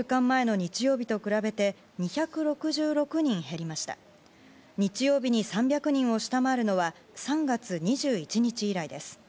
日曜日に３００人を下回るのは３月２１日以来です。